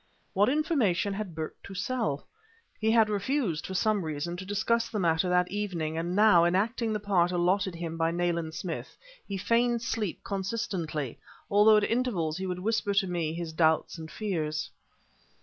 What information had Burke to sell? He had refused, for some reason, to discuss the matter that evening, and now, enacting the part allotted him by Nayland Smith, he feigned sleep consistently, although at intervals he would whisper to me his doubts and fears.